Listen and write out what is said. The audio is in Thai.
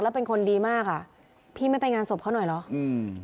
แล้วเป็นคนดีมากอ่ะพี่ไม่ไปงานศพเขาหน่อยเหรออืม